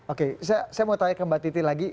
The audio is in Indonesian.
oke saya mau tanya ke mbak titi lagi